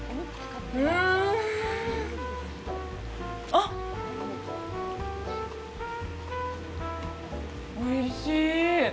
あっ、おいしい。